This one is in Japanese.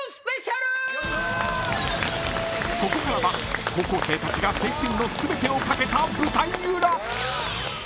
［ここからは高校生たちが青春の全てをかけた舞台裏］